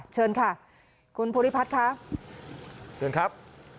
เชิญค่ะคุณภูริพัฒน์ค่ะเชิญครับ